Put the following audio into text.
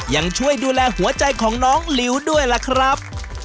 ยังช่วยดูแลหัวใจของน้องหลิวด้วยล่ะครับ